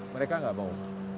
mereka nggak mau